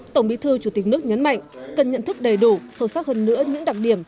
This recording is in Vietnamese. tổng bí thư chủ tịch nước nhấn mạnh cần nhận thức đầy đủ sâu sắc hơn nữa những đặc điểm